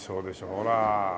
ほら。